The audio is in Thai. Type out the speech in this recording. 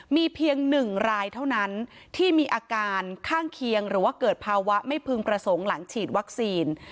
มีเพียง๑รายเท่านั้นที่มีอาการข้างเคียงหรือว่าเกิดภาวะไม่พึงประสงค์หลังฉีดวัคซีน